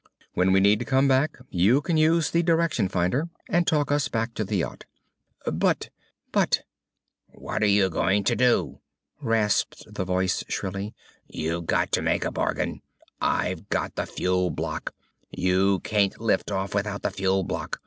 When we need to come back, you can use the direction finder and talk us back to the yacht." "But but " "What are you going to do?" rasped the voice shrilly. "_You've got to make a bargain! I've got the fuel block! You can't lift off without the fuel block!